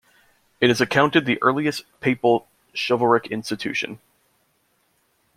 It is accounted the earliest papal chivalric institution.